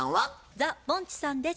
ザ・ぼんちさんです。